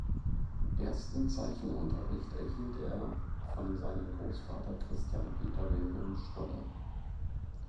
Ersten Zeichenunterricht erhielt er von seinem Großvater Christian Peter Wilhelm Stolle.